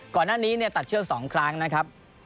ก่อนหน้านี้ตัดเชือก๒ครั้งนะครับ